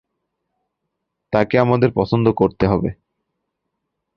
তাকে আমাদের পছন্দ করতে হবে।